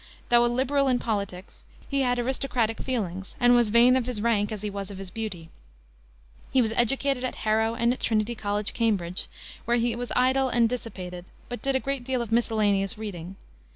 Though a liberal in politics he had aristocratic feelings, and was vain of his rank as he was of his beauty. He was educated at Harrow and at Trinity College, Cambridge, where he was idle and dissipated, but did a great deal of miscellaneous reading.